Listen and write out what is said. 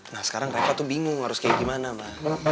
nah sekarang reva tuh bingung harus kayak gimana